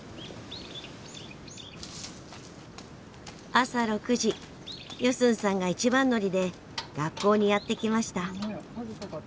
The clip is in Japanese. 朝６時ヨスンさんが一番乗りで学校にやって来ました。